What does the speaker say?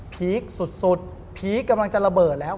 พีคสุดผีกำลังจะระเบิดแล้ว